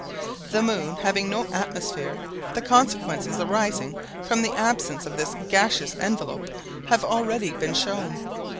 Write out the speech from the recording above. The moon having no atmosphere, the consequences arising from the absence of this gaseous envelope have already been shown.